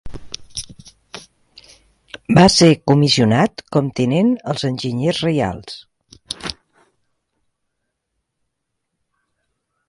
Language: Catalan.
Va ser comissionat com tinent als Enginyers Reials.